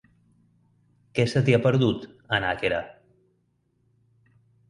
Què se t'hi ha perdut, a Nàquera?